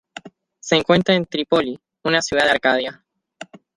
Se encuentra en Trípoli, una ciudad de Arcadia.